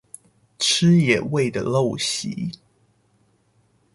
吃野味的陋習